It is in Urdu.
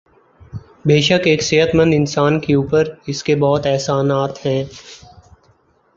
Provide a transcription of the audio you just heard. بیشک ایک صحت مند اانسان کے اوپر اسکے بہت احسانات ہیں